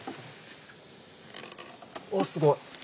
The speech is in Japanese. おっすごい。